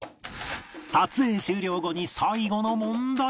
撮影終了後に最後の問題